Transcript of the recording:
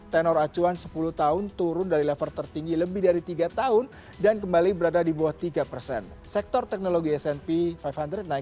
sampai jumpa di video selanjutnya